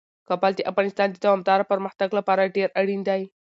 کابل د افغانستان د دوامداره پرمختګ لپاره ډیر اړین دی.